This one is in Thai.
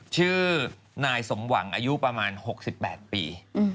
ชื่อนายสมหวังอายุประมาณ๖๘ปี